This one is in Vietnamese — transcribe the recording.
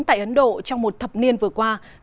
tại ấn độ trong một thập niên vừa qua